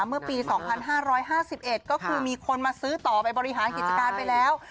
เมื่อปี๒๕๕๑ก็คือมีคนมาซื้อต่อไปบริหารกิจการไปแล้ว